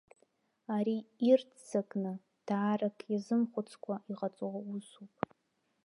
Ари, ирццакны, даарак иазымхәыцкәа иҟаҵоу усуп.